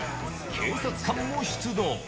警察官も出動。